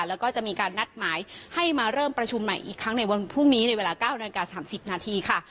แล้วก็จะมีการนัดหมายให้มาเริ่มประชุมใหม่อีกครั้งในวันพรุ่งนี้ในเวลา๙นาฬิกา๓๐นาทีค่ะ